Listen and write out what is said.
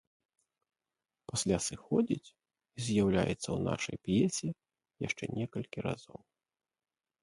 Пасля сыходзіць і з'яўляецца ў нашай п'есе яшчэ некалькі разоў.